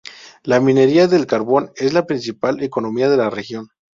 La minería del carbón es la principal economía de la región.